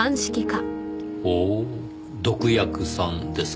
ほう毒薬さんですか。